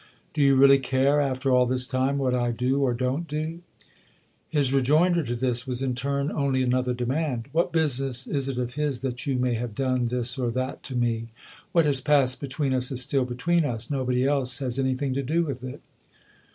" Do you really care, after all this time, what I do or don't do ?" His rejoinder to this was in turn only another demand. " What business is it of his that you may have done this or that to me ? What has passed between us is still between us : nobody else has anything to do with it."